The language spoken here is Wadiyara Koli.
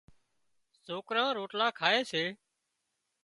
سوڪران روٽلا کائي سي۔